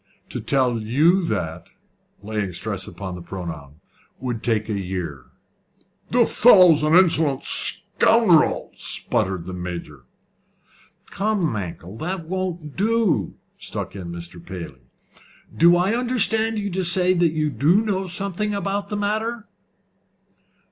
To tell you that," laying a stress upon the pronoun, "would take a year." "The fellow's an insolent scoundrel," spluttered the Major. "Come, Mankell, that won't do," struck in Mr. Paley. "Do I understand you to say that you do know something about the matter?"